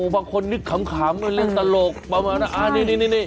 บางคนนึกขำเรื่องตลกประมาณนั้นนี่